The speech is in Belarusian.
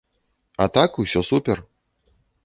А так, усё супер.